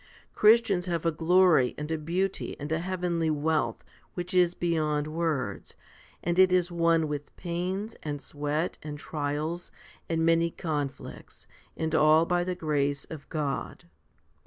Christians have a glory and a beauty and a heavenly wealth which is beyond words, and it is won with pains, and sweat, and trials, and many conflicts, and all by the grace of God.